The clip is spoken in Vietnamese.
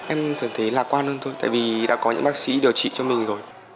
em thường thấy lạc quan hơn thôi tại vì đã có những bác sĩ điều trị cho mình rồi